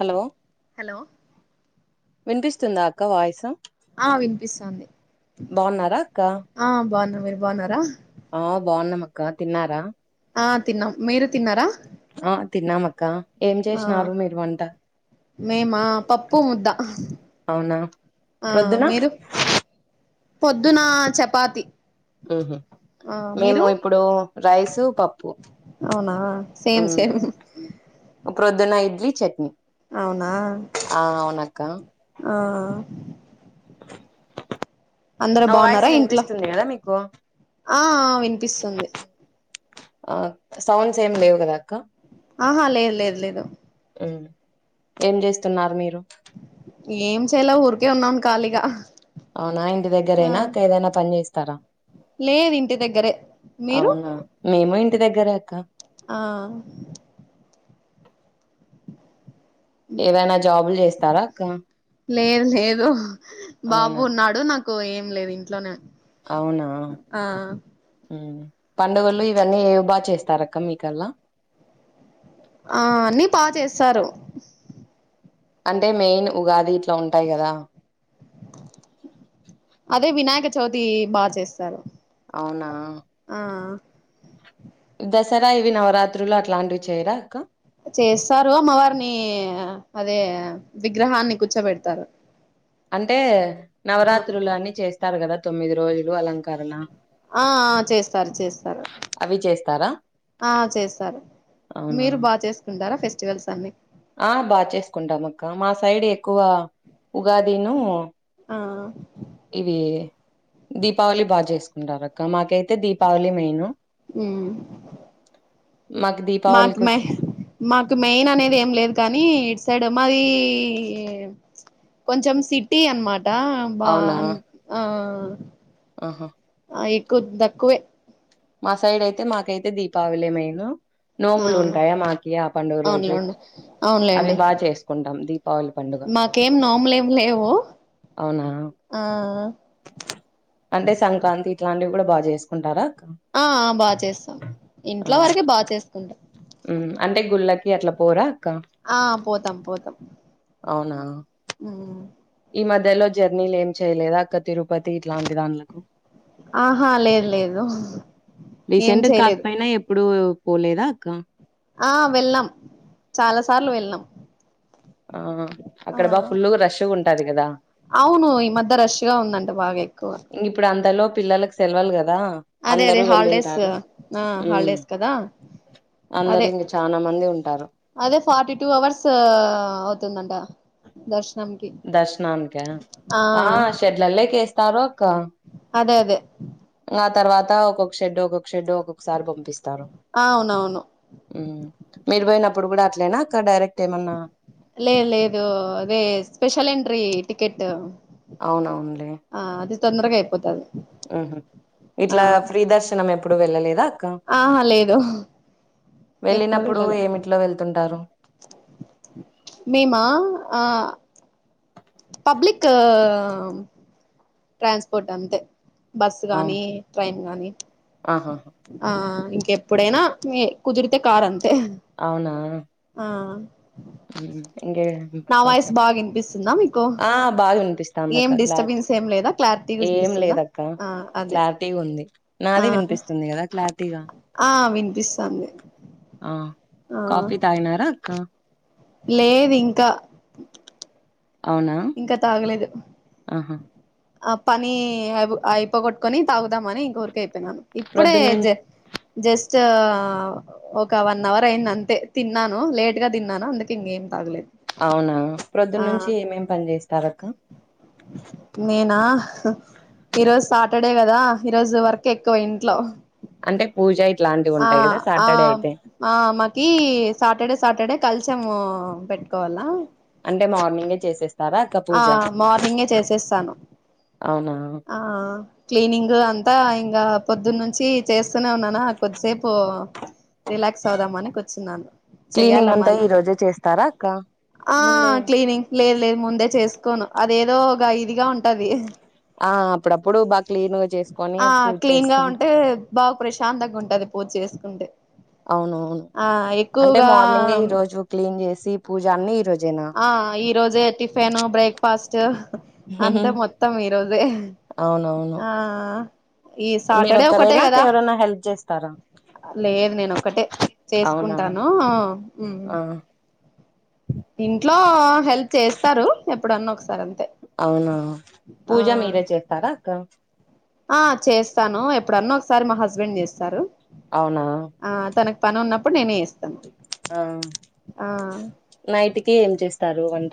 Hello hello వినిపిస్తుందా అక్క voice ఆ వినిపిస్తాంది బాగున్నారా అక్క ఆ బాగున్నా మీరు బాగున్నారా అకా తిన్నారా ఆ తిన్నాం మీరు తిన్నారా ఆ తిన్నామక్క ఏం ఆ చేసినారు మీరు వంట మే మా పప్పు ముద్దా అవునా ఆ ప్రొద్దున మీరు పొద్దున చపాతి ఊహు ఆ మేము మీరు ఇప్పుడు రైసు పప్పు అవునా సేమ్ ఉమ్ సేమ్ ఉ ప్రొద్దున ఇడ్లీ చట్నీ అవునా ఆ ఔనక్క ఆ అందరు నా వాయిస్ బాగున్నారా ఇంట్లో వినిపిస్తుంది కదా మీకు ఆఆ వినిపిస్తుంది ఆ సౌండ్స్ ఏం లేవు కదా అక్క ఆహా లేదు లేదు లేదు ఉమ్ ఏం చేస్తున్నారు మీరు ఏం చేయల ఊరికే ఉన్నాను ఖాళీగా అవునా ఇంటి ఆ దగ్గరేనా అక్క ఏదైనా పని చేస్తారా లేదు ఇంటి దగ్గరే మీరు అవునా మేమూ ఇంటి దగ్గరే అక్క ఆ ఉమ్ ఏదైనా జాబులు చేస్తారా అక్క లేదు లేదు బాబు అవునా ఉన్నాడు నాకు కో ఏం లేదు ఇంట్లోనే అవునా ఆ ఉమ్ పండుగలు ఇవన్నీ ఏవి బాగా చేస్తారక్క మీకల్లా ఆ అన్ని బా చేస్తారు అంటే మెయిన్ ఉగాది ఇట్లా ఉంటాయి కదా అదే వినాయక చవితి బాగా చేస్తారు అవునా ఆ దసరా ఇవి నవరాత్రులు అట్లాంటివి చేయరా అక్కా చేస్తారు అమ్మవారినీ అదే విగ్రహాన్ని కూర్చోబెడతారు అంటే ఆ నవరాత్రులన్నీ చేస్తారు కదా తొమ్మిది రోజులు అలంకరణ ఆ ఆ చేస్తారు చేస్తారు అవి చేస్తారా ఆ చేస్తారు అవునా మీరు బాగా చేసుకుంటారా ఫెస్ట్ వల్స్ అన్ని ఆ బాగా చేసుకుంటాం అక్క మా సైడ్ ఎక్కువ ఉగాదీను ఆ ఇవి దీపావళి బాగా చేసుకుంటారు అక్క మాకైతే దీపావళే మెయిను ఉమ్ మాకు మాత్ దీపావళికి మహ్ వచ్చేసి మాత్ మెయిన్ అనేది ఏం లేదు కానీ ఇట్ సైడ్ మాదీ కొంచెం సిటీ అనమాట్ ా బా అవునా ఆఆ ఆ ఆహా అ ఎక్కువ తక్కువే మా సైడ్ అయితే మాకైతే దీపావలే మెయిను ఆ నోములు ఉంటాయా మాకి ఆ పండుగ రోజు అవునులేండి అవి అవునులేండి బాగా చేసుకుంటాం దీపావళి పండుగ మాకేం నోములేం లేవు అవునా ఆ అంటే సంక్రాంతి ఇట్లాంటివి కూడా బాగా చేసుకుంటారా ఆ ఆ బాగా చేస్తాం ఆ ఇంట్లో వరకే బాగా చేసుకుంటాం అంటే గుళ్ళకి అట్ల పోరా ఆ పోతాం పోతాం అవునా ఈ మధ్యలో జర్నీలు ఏం చేయలేదా అక్క తిరుపతి ఇట్లాంటి దాంలకు ఆహా లేదు లేదు ఏం రీసెంట్ చేయలేదు కాకపోయినా ఎప్పుడు పోలేదా అక్క ఆ వెళ్ళాం చాలా సార్లు వెళ్నాం ఆ అక్కడ బాగ ఫుల్ రషష్గా ఉంటంది [inaudible] అది కదా అవును ఈ మధ్య రష్గా ఉందంట బాగా ఎ ఇంగ్ ఇప్పుడు అంతలో పిల్లలకు సెల్వల్ గద అదే అదే హాలిడేస్ ఆ హాలిడేస్ కదా అందరు అదే ఇంక చానా మంది ఉంటారు అదే ఫార్టీటూ అవర్స్ అవుతుందంట దర్శ దర్శనాన్కా ఆ షెడ్లల్లో కేస్తే తరోప్ అదే అదే ఆ తర్వాత ఒక్కొక్క షెడ్ ఒక షెడ్ ఒకొక్కసారి పంపిస్తారు అవునవును మీరు పోయినప్ అప్పుడు కూడా అట్లేనా అక్క డైరెక్ట్ ఏమన్నా లేదు లేదు అదే స్పెషల్ ఎంట్రీ టికెట్ అవునవును ఆ అది తొందరగా అయిపోతాది ఇట్లా ఫ్రీ దర్శనం ఎప్పుడు వెళ్ళలేదా అక్క ఆహ లేదు ఎప్పుడు వెళ్ళినప్పుడు వెళ్ళాలే ఏమిట్లో వెళ్తుంటారు మేమా ఆ తా ట్రాన్స్పోర్ట్ అంతే బస్సు అవును గాని ట్రైన్ గాని ఆహా ఆ ఎప్పుడైనా కుదిరితే కారు అంతే ఆ ఆ ఇంకేం నా అక్క వాయిస్ చెప్పాలా బాగా వినిపిస్తుందా మీకు ఆ బా ఏం వినిపిస్తందక్క డిస్టర్బెన్స్ క్లారిటీగా ఏం లేదా క్లారిటీగా ఏం వినిపిస్తుందా లేదక్క ఆ అదే క్లారిటీ ఉంది నాద వినిపిస్తుంది కదా క్లారిటీగా ఆహ్ వినిపిస్త ఆ కఫీ తాగినరక్క లేదు ఇంకా అవునా ఇంకా తాగలేదు ఆహా ఆ పని అయిపోగొట్టుకొని తాగుదామ అని ఇంకోరిక అయి ఇప్పుడే ప్రొద్దునుంచి జ జస్ ఒక వన్ అవర్ అయింది అంతే తిన్నాను లేట్ గా తిన్నాను అందుకు ఇంగేం తాగలేదు అవునా ఆ ప్రొద్దునుంచి ఏమేం పని చేస్తారక్క నేనా ఈరోజు సాట్ సటర్డే కదా ఈ రోజు వరక ఎక్కువ ఇంట్లో అంటే పూజ ఇట్లాంటివి ఆ ఉంటాయి కదా ఆ సాటర్డే అయితే ఆ మకి సాటర్డే సాటర్డే కలిసాము పెట్టుకోవాలా అంటే మార్నింగే చేసేస్తారా ఇక్క ఆ పూజ మార్నింగే చేసేస్తాను అవునా ఆ క్లీనింగ్ అం అంత ఇంకా పొద్దున్న నుంచి చేస్తూనే ఉన్నానా కొద్దిసేపు రిలాక్స్ అవుదామని కూర్చున్నాను చెయ్యాలా క్లీనింగ్ అంతా మళ్ళీ ఈ రోజే చేస్తారా అక్క ముందే ఇంక్ లేదు లేదు ముందే చేసుకోను అద ఏదో ఇదిగా ఉంటది ఆ అప్పుడప్పుడు బాగా క్లీన్ గా చేసుకొని ఆ పూజ క్లీన్ గా చేసుకుంట ఉంటే బాగా ప్రశాంతంగా ఉంటది పూజ చేసుకుంటే అవునవును ఆ అంటే ఎక్కువగా మార్నింగే ఈ రోజు క్లీన్ చేసి పూజ అన్ని ఈ రోజేనా ఆ ఈ రోజే టిఫిన్ బ్రేక్ఫాస్ట్ త అంతే మొత్తం ఈరోోజే అవునవును ఆ ఈ మీరు సాటర్డే ఒకటే ఒక్కరేనా అక్క కదా ఎవరైనా హెల్ప్ చేస్తారా లేదు నేను ఒక్కటే అవునా చేసుకుంటాను ఆహ్ ఆ ఇంట్లో హెల్ప్ చేస్తారు ఎప్పుడన్నా ఒకసారి అం అవునా పూజ మీరే చేస్తారా అక్క ఆ చేస్తాను ఎప్పుడన్న ఒకసారి మా హస్బెండ్ చేస్తారు అవునా ఆ తనకు పని ఉన్నప్పుడు నేనే చెస్ ఆ నైట్కి ఏం చేస్తారు వంట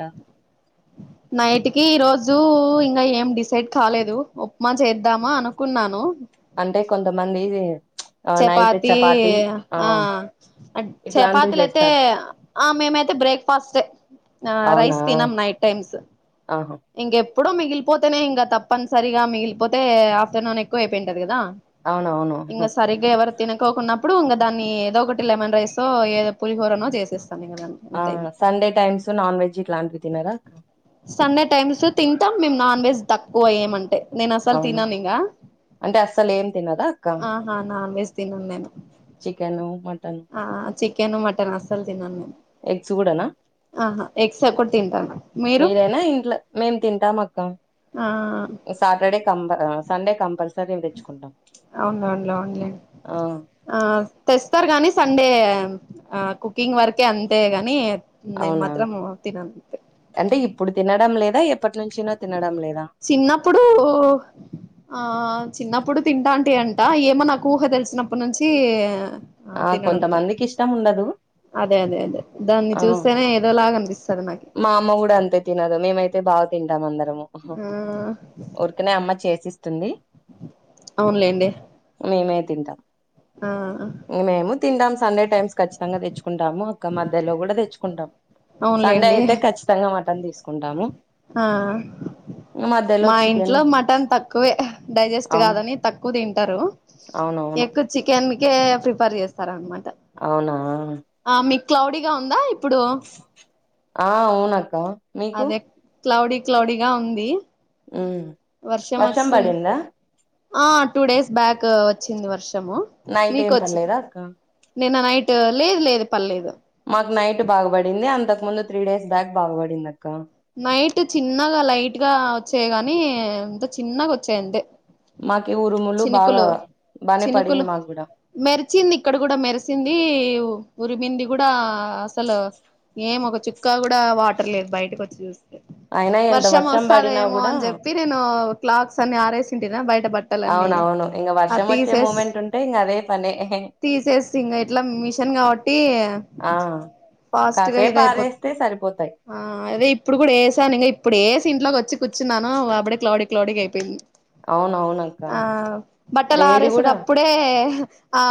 నైట్కిి ఈ రోజు ఇంగ ఏం డిసైడ్ కాలేదు ఉప్మా చేదా ద్దామా అనుకున్నాను. అంటే కొంతమంది చపాతి ఆ ఇట్లాంటివి చపాతీలయితే చేస్తారు ఆ మేమైతే బ్రేక్ ఫాస్టే ఆ అవునా రైస్ తినం నైట్ టైమ్స్ ఆహా ఇంగె ఇప్పుడు మిగిలిపోతేనే ఇంగ తప్పనిసరిగా మిగిలిపోతే ఆఫ్టర్నూన్ ఎక్కువ అయిపోయింటంది కదా అవునువును ఇంకా సరిగ్గా ఎవరు తినకోకున్నప్పుడు ఇంగా దాన్ని ఏదో ఒకటి లెమన్ రైసో ఏ పులిహోరనో చేసేస్త ఆ సండే టైమ్స్ నాన్ వెజ్ ఇట్లాంటివి తినారా సండే టైమ్స్ తింటాం మేము నాన్ వెజ్ తక్కువయేమంటే అవునా అంటే అస్సలే ఏం తినదా అక్క ఆ నాన్ వెజ్ తినను నేను. చికెన్ మటన్ చికెన్, మటన్ అస్సలు తినను నేను. ఎగ్స్ కూడానా ఆహా ఎగ్స్ ఒకటి తింటా మీరైనా ఇంట్ల, మేము తింటాం అక్క, ఆ సాటర్డే సండే కంపల్సరీగ తెచ్చుకుంటాం అవునఅవునులెండి ఆ ఆ తెస్తారు గాని సండే, ఆ కుకింగ్ వరకే అంతే గాని నేను అవునా, మాత్రం తినను అంతే అంటే ఇప్పుడు తినడం లేదా ఏప్పు చిన్నప్పుడు ఆ చిన్నప్పుడు తింటాంటే అంట ఏమో నాకు ఊహ తెలిసినప్పటినుంచి చ్చి ఆ తినడం లేదు కొంతమందికి ఇష్టం ఉండదు అదే అదే అదే దాన్ని ఆ చూస్తేనే ఏదోలాగా అనిపిస్తుంది మా అమ్మ గూడా అంతే తినదు, మేమై తే బా తింటామందర్ త్తము. ఉహు ఆ ఊరికనే అమ్మ చేసి తుంది. అవునులేండి. మేమే తింటాం. ఆ తిండాం సండే టైమ్స్ ఖచ్చితంగా తెచ్చుకుంటాము. క మధ్యలో కూడా తెచ్చుకుంటాం. సండే అవునులేండి అయితే ఖచ్చితంగా మ త్తం తీసుకుంటాము. ఆ మధ్యలో మా చికెన్ ఇంట్లో మటన్ తక్కువే, డైజెస్ట్ అవును కాదని తక్కువ తింటారు, అవునవును ఎక్కువ చికెన్ కే ప్రిఫర్ చేస్తారన్నమా అవునా క్లౌడీగా ఉందా. ఇప్పుడు ఆ అవున్ అక్క మీకు అదే క్లౌడీ క్లౌడీగా ఉంది. ఉ వర్షం వస్తుంది వర్షంపడింద. ఆ టూ డేస్ బ్యాక్ వచ్చింది. వర్షము నైట్ మీకు ఏం వచ్చ్ పర్లేదా అక్క నిన్న నైట్ లేదు లేదు పల్లేదు. మాకు నైట్ బాగబడింది. అంతకు ముందు త్రీ డేస్ బ్యాక్ బాగుబడింది. నైట్ చిన్నగా లైట్ గా వచ్చాయ్. గాని త చిన్నగా వచ్చాయంతే మాకి ఉరుములు బాగా చినుకులు బానే చినుకులు పడింది మాకు కూడా మెరిచింది. ఇక్కడ కూడా మెరిసింది. ఉరిమింది కూడా అసల, ఏం ఒక చుక్కా కూడా వాటర్ లేదు. బయటకి వ జుస్ అయినా ఎంత వర్షం పడినా వస్సాదేమో కూడా అని చెప్పి నేను క్లాక్స్ అన్ని ఆరేస్ ఇంటిదా బయ్ బట్టలన్ని అవునవును ఇంగ అ వర్షం వచ్చే తీసేస్ మూమెంట్ ఉంటే ఇంగ అదే పనే తీసేసి ఇంగ ఇట్లా మిషన్ కాబట్టి ఆ ఫాస్ట్గా కాసేపు ఇదైపోతుంది. ఆరేస్తే సరిపోతాయి అ అద్ ఇ ఇప్పుడు ఎసాను ఇంగ ఇప్పుడేసి ఇంట్లోకి వచ్చి కూర్చున్నాను. అపుడే క్లోడి క్లోడిగ అయిపెంద్. అవునవునక్క ఆ బట్టలు వేడి కూడా ఆరేసడప్పుడే ఆ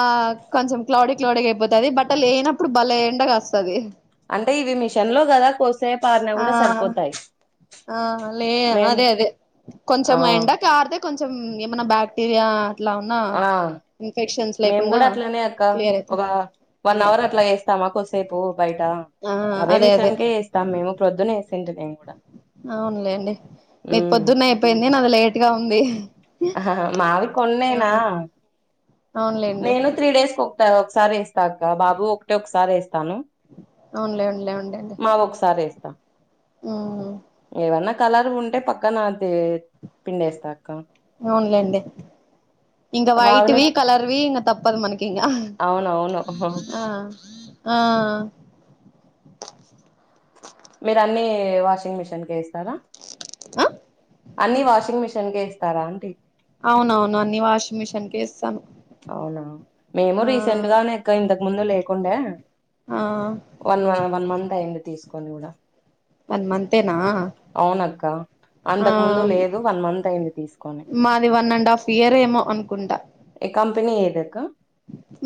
కొంచెం క్లౌడీ క్లౌడీ అయిపోతది. బట్టలు ఎయనప్పుడు బలే ఎండగాస్సాది. అంటే ఇవి మిషన్ లో కదా కోస్ సేప్ ఆరిన ఆ కూడా సరిపోతాయ్. ఆ లే అదే అదే ఆ కొంచెం ఎండకు ఆర్దే కొంచెం ఏమన్నా బాక్టీరియా ఆ మేము లేకుండా కూడా అట్లనే అక్క క్లియర్ ఒక అయితది వన్ అదే అవర్ అట్లా వేస్తామా కొద్సేపు బయట ఆ అవే అదే అదే మిషన్కే వేస్తాం మేము ప్రొద్దునే వేస్ తింటి నేను కూడా అవునులేండి మీకు ఉమ్ పొద్దున్నే అయిపోయింది నాది లేట్గా ఉంది ఆ మావి ఆ కొన్నేనా అవునులేండి నేను త్రీ డేస్ ఓ త ఒకసారి వేస్తాక్క బాబు ఒకటే ఒకసారి వేస్ తాను అవునులే అవునులే మావి ఒకసారి వేస్తా హ్మ్ హు ఏవన్నా కలర్ ఉంటే పక్కన దే పిండేస్త అవునులేండి ఇంకా బాగానే వైట్వి కలర్వి ఇంగ తప్పదు మనకి ఇంగ అవును అవును ఆ ఆ మీరు అన్ని వాషింగ్ మెషీన్ కి ఎస్తారా ఆ అన్ని వాషింగ్ మెషీ షిన్గే ఏస్తారా అండి అవునవును అన్ని వాషింగ్ మిషిన్ కే ఎస్తాను అవునా మేము రీసెంట్ గానేక్క ఇంతకు ముందు లే కుండె ఆ వన్ వన్ వన్ మంత్ అయింది తీస్ పనుందా వన్ మంతేనా ఆ అంతకు ముందు లేదు వన్ మంత్ అయింది తీసుకొని మాది వన్ అండ్ హాఫ్ ఇయర్ ఏమో అనుకుంట ఈ కంపెనీ ఏదక్క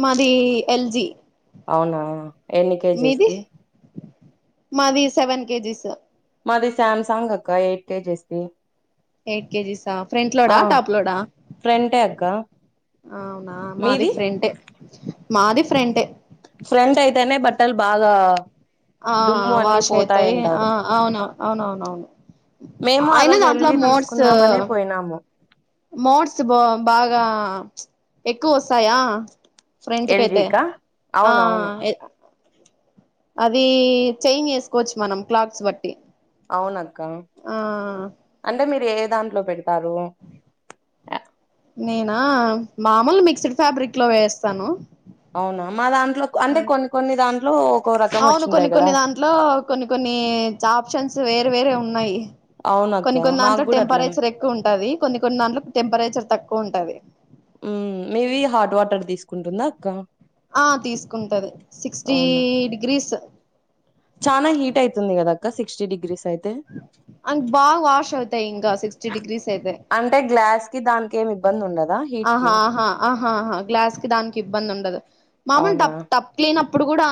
మాదీ ఎల్జీ అవునా ఎన్ని మీది కేజెస్ది మాది సెవెన్ కేజీస్ మాది సామ్ సంగ్ అక్క ఎయిట్ కేజీస్ది ఎయిట్ కేజీస్ ఆ ఫ్రంట్ లోడా టాప్ లోడా ఫ్రంటే అక్క అవునా మాది మీది ఫ్రంటే మాది ఫ్రెంటే ఫ్రెంట్ అయితేనే బట్టల్ బాగా ఆ దుమ్ము అన్ని వాష్ అయితాయి పోతాయంటారు ఆ అవున అవునవునవును మేము ఆ అయినా రోజు దాంట్లో ఎల్జీ మోడ్స్ తీసుకుందామనే పోయినాము మోడ్స్ బా బాగా ఎక్కువ వస్తాయా ఫ్రంట్ కైతే ఎల్జీకా అవునవును ఆఎ అదీ చేంజ్ చేసుకోవచ్చు మనం క్లాత్స్ బట్టి అవున ఆ అంటే మీరు ఏ దాంట్లో పెడతారు నేనా మామూలు మిక్స్డ్ ఫ్యాబ్రిక్ లో వేస్తాను అవునా మాదాన్ అంటే కొన్ని కొన్ని దాం లో అవును కొన్ని కొన్ని దాంట్లో కొన్ని కొన్ని చాప్షన్స్ వే వేరే వేరే ఉన్నాయి అవున అక్క కొన్ని కొన్ని మాకు దాంట్లో కూడా అట్లనే టెంపరేచర్ ఎక్కువ ఉంటాది కొన్ని కొన్ని దాంట్లో టెంపరేచర్ తక్కువ ఉంటాది ఉమ్, మీవి హాట్ వాటర్ తీసుకుంటుందా అక్క ఆ తీసుకుంటది సిక్స్టీ డిగ్రీస్ స్ చానా హీట్ అయితుంది గద సిక్స్టీ డిగ్రీస్ అయితే అండ్ బాగా వాష్ అవుతాయి ఇంగ సిక్స్టీ డిగ్రీస్ అయితే అంటే గ్లాస్ కి దానికి ఏమి ఇబ్బంది ఉండదు ఆహా ఆహా ఆ హ హా గ్లాస్ కి దానికి ఇబ్బంది ఉండదు మామూలు అవునా డప్ టప్ క్లీనప్ అప్పుడు కూడా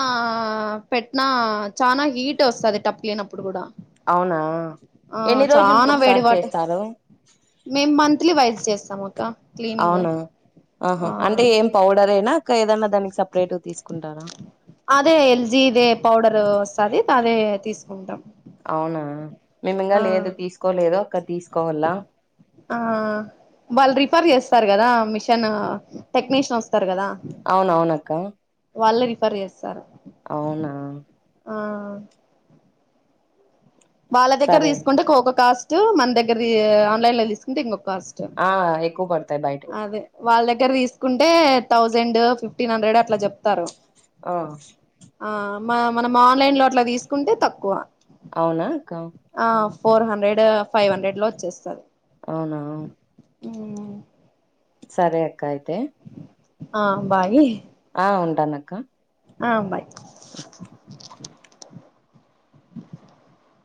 పెట్టిన చానా హీట్ వస్తది టప్ క్లీన్ నప్పుడు కూడా అవునా ఆ ఎన్ని రోజులకు చానా ఒకసారి వేడివాటర్ చేస్తారు మేం మంత్లీ వైజ్ చేస్తాం అక్క క్లీనింగ్ అవునా ఆహా ఆ అంటే ఏం పౌడర్ ఎం అదే ఎల్జీదే పౌడర్ వస్తది అదే తీసుకుంటాం అవునా మేము ఇంగా ఆ లేదు తీసుకోలేదు అక్క తీసుకోవాలా రిపేర్ చేస్తారు కదా మిషన్ టెక్నీషియన్ వస్తారు కదా అవును అవునక్క వాళ్ళే రిఫర్ చేస్తారు అవునా ఆ వాళ్ళ దగ్గర సరే తీసుకుంటే కోక కాస్ట్ టు మన దగ్గరిది ఆన్లైన్ ల తీసుకుంటే ఇంగో ఆ ఎక్కువ పడతాయి బయటయితే అదే వాళ్ళ దగ్గర తీసుకుంటే థౌజండ్ ఫిఫ్టీన్ హండ్రెడ్ అట్ల చెప్ ప్తరు ఆ ఆ మనం మనం ఆన్లైన్ లో అట్లా తీసుకుంటే తక్కువ అవునా అక్క ఆ ఫోర్ హండ్రెడ్ ఫైవ్ హండ్రెడ్ లో వచ్చేస్తది అవునా సరే అక్క అయితే ఆ బాయ్ ఆ ఉంటాను అక్క ఆ బాయ్ అ